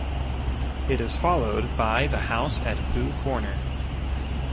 It is followed by "The House at Pooh Corner".